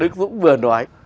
cũng vừa nói